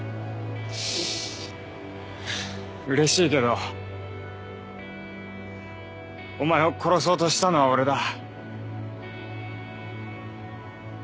うれしいけどお前を殺そうとしたのは俺だ。